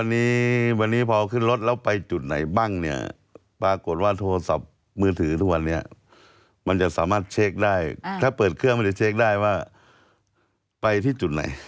วันนี้วันนี้พอขึ้นรถแล้วไปจุดไหนบ้างเนี่ยปรากฏว่าโทรศัพท์มือถือทุกวันนี้มันจะสามารถเช็คได้ถ้าเปิดเครื่องมันจะเช็คได้ว่าไปที่จุดไหน